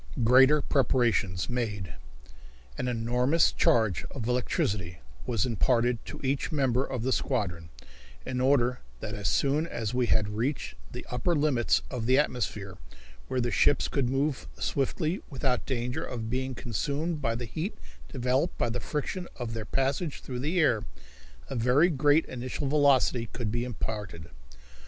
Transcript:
Greater Preparations Made. An enormous charge of electricity was imparted to each member of the squadron, in order that as soon as we had reached the upper limits of the atmosphere, where the ships could move swiftly, without danger of being consumed by the heat developed by the friction of their passage through the air, a very great initial velocity could be imparted.